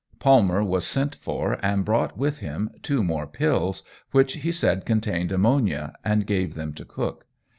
Palmer was sent for, and brought with him two more pills, which he said contained ammonia, and gave them to Cook.